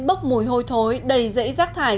bốc mùi hôi thối đầy dãy rác thải